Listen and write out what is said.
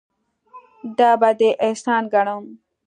دا به دې احسان ګڼم.